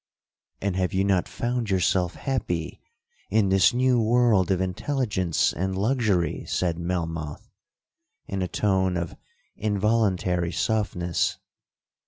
'—'And have you not found yourself happy in this new world of intelligence and luxury?' said Melmoth, in a tone of involuntary softness.